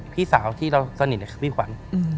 พี่สาวที่เราสนิทคือพี่ขวัญ